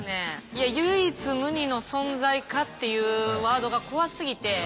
いや「唯一無二の存在か」っていうワードが怖すぎて。